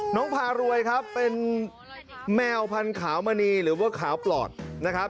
พารวยครับเป็นแมวพันธมณีหรือว่าขาวปลอดนะครับ